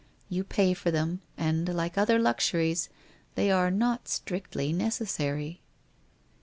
You pay for them, and like other luxuries, they are not strictly necessary.